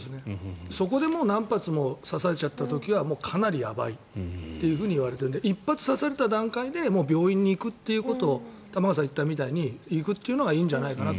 そこで何発も刺されちゃった時はもうかなりやばいというふうにいわれているので１発刺された段階で病院に行くということ玉川さんが言ったみたいに行くというのがいいんじゃないかと。